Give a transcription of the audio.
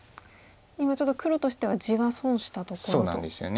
今ちょっと黒としては地が損したところと。